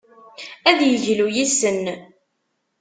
Ad yeglu yis-sen.